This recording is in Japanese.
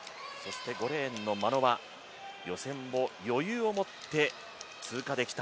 ５レーンの眞野は予選を余裕を持って通過できた。